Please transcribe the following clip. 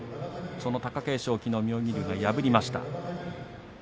その貴景勝妙義龍がきのう破りました。